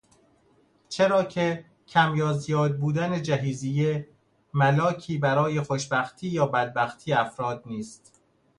چرا که کم یا زیاد بودن جهیزیه ملاکی برای خوشبختی یا بدبختی افراد نیست